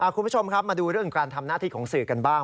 คุณผู้ชมครับมาดูเรื่องของการทำหน้าที่ของสื่อกันบ้าง